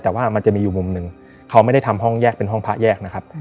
แต่ว่ามันจะมีอยู่มุมหนึ่งเขาไม่ได้ทำห้องแยกเป็นห้องพระแยกนะครับ